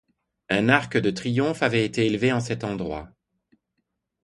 Un arc de triomphe avait été élevé en cet endroit.